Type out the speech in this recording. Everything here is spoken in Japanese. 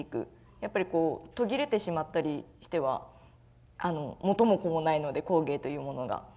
やっぱりこう途切れてしまったりしては元も子もないので工芸というものが。